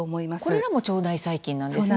これらも腸内細菌なんですね。